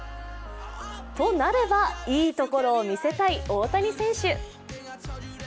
となれば、いいところを見せたい大谷選手。